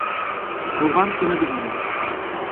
Тыуған көнөгөҙ менән!